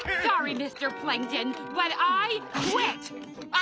あ！